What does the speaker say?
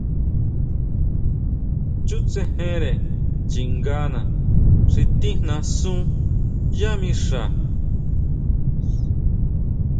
Chútsejere chingana xi tijnasú yá mixa.